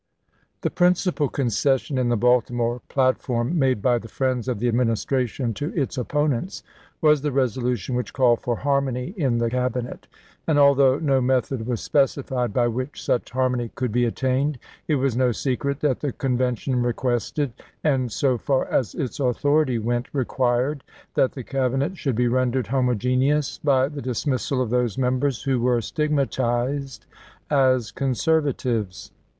f I iHE principal concession in the Baltimore plat A_ form made by the friends of the Administra tion to its opponents was the resolution which 1864. called for harmony in the Cabinet ; and, although no method was specified by which such harmony could be attained, it was no secret that the Con vention requested, and, so far as its authority went, required, that the Cabinet should be rendered homogeneous by the dismissal of those members who were stigmatized as conservatives.